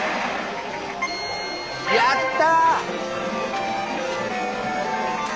やった！